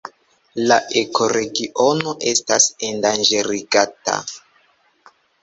La ekoregiono estas endanĝerigata.